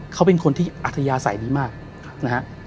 เขาเป็นคนที่อัธยาศัยดีมากนะฮะ